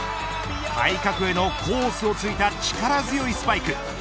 対角へのコースを突いた力強いスパイク。